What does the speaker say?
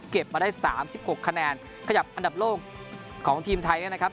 เก็บมาได้สามสิบหกคะแนนขจับอันดับโลกของทีมไทยนะครับ